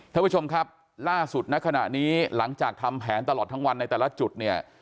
ท่านผู้ชมครับล่าสุดณขณะนี้หลังจากทำแผนตลอดทั้งวันในแต่ละจุดเนี่ย